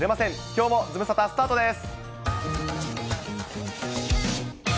きょうもズムサタ、スタートです。